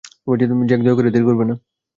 Jack, দয়া করে দেরি করবে না!